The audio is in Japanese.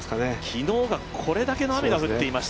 昨日がこれだけの雨が降っていました。